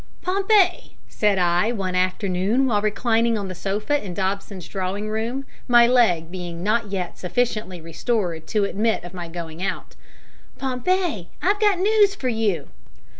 "Pompey," said I, one afternoon, while reclining on the sofa in Dobson's drawing room, my leg being not yet sufficiently restored to admit of my going out "Pompey, I've got news for you."